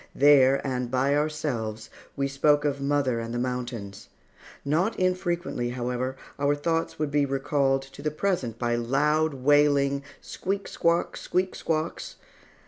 There, and by ourselves, we spoke of mother and the mountains. Not infrequently, however, our thoughts would be recalled to the present by loud, wailing squeak squawk, squeak squawks.